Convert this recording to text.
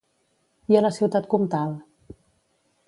I a la ciutat comtal?